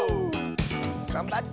がんばって！